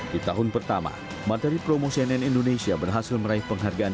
di tahun pertama materi promosi nn indonesia berhasil meraih penghargaan